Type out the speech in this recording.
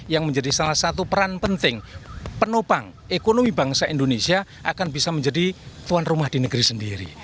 yang menjadi salah satu peran penting penopang ekonomi bangsa indonesia akan bisa menjadi tuan rumah di negeri sendiri